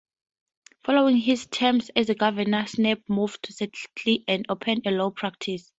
Following his term as governor, Knapp moved to Seattle and opened a law practice.